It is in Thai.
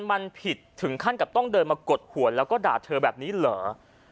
มันผิดถึงขั้นกับต้องเดินมากดหัวแล้วก็ด่าเธอแบบนี้เหรอ